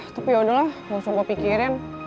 tapi yaudahlah langsung gue pikirin